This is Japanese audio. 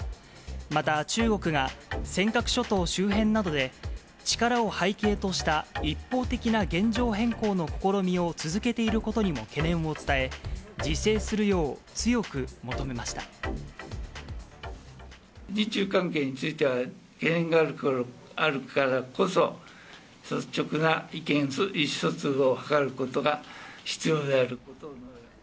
また、中国が尖閣諸島周辺などで、力を背景とした一方的な現状変更の試みを続けていることにも懸念を伝え、自制するよう、日中関係については、懸念があるからこそ、率直な意思疎通を図ることが必要であると。